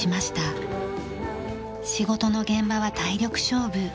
仕事の現場は体力勝負。